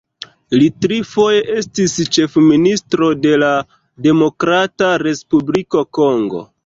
Li trifoje estis ĉefministro de la Demokrata Respubliko Kongo.